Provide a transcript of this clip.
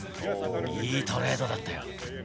いいトレードだったよ。